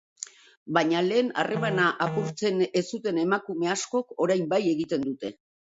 Baina lehen harremana apurtzen ez zuten emakume askok orain bai egiten dute.